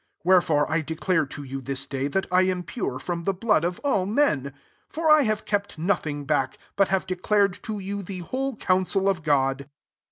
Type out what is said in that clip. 26 Wherefore I declare to you this day, that lam pure from the blood of all men ,• 27 for I have kept nothing back, but have declared to you the whole counsel of God.